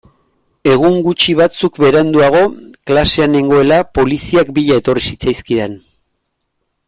Egun gutxi batzuk beranduago, klasean nengoela, poliziak bila etorri zitzaizkidan.